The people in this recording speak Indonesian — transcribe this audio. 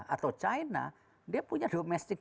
atau china dia punya domestik